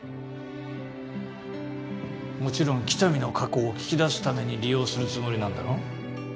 もちろん喜多見の過去を聞き出すために利用するつもりなんだろ？